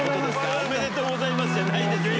「おめでとうございます！」じゃないですよ。